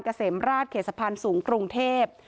เกษมราชเขตสะพานสูงกรุงเทพ